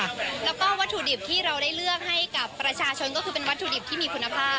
แล้วก็วัตถุดิบที่เราได้เลือกให้กับประชาชนก็คือเป็นวัตถุดิบที่มีคุณภาพ